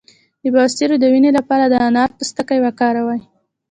د بواسیر د وینې لپاره د انار پوستکی وکاروئ